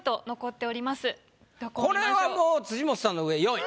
これはもう辻元さんの上４位。